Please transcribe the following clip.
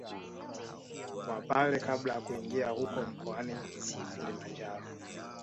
Wapare Kabla ya kuingia huko mkoani Kilimanjaro